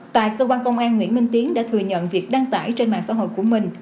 tại cơ quan công an nguyễn minh tiến đã thừa nhận việc đăng tải trên mạng xã hội của mình